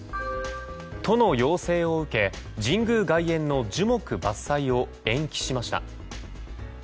都の要請を受け神宮外苑の樹木伐採を延期しました。